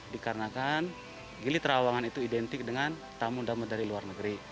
dikarenakan gili terawangan itu identik dengan tamu tamu dari luar negeri